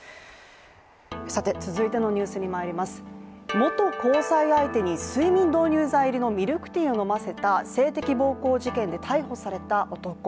続いてのニュースにまいります元交際相手に睡眠導入剤入りのミルクティーを飲ませた性的暴行事件で逮捕された男。